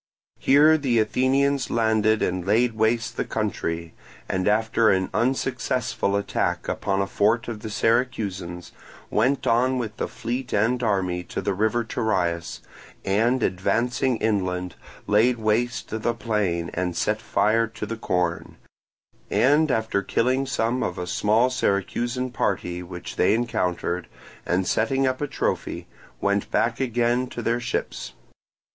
Here the Athenians landed and laid waste the country, and after an unsuccessful attack upon a fort of the Syracusans, went on with the fleet and army to the river Terias, and advancing inland laid waste the plain and set fire to the corn; and after killing some of a small Syracusan party which they encountered, and setting up a trophy, went back again to their ships.